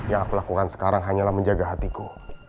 yang aku lakukan sekarang hanyalah menjaga hatiku